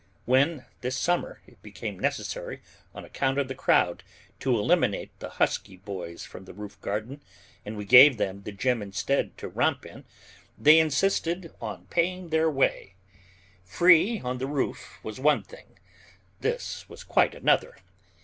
When this summer it became necessary on account of the crowd to eliminate the husky boys from the roof garden and we gave them the gym instead to romp in, they insisted on paying their way. Free on the roof was one thing; this was quite another.